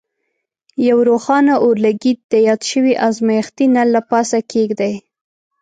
یو روښانه اورلګیت د یاد شوي ازمیښتي نل له پاسه کیږدئ.